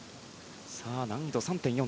難易度３．４。